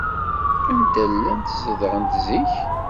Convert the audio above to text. Anda ay llant zedɣent zik?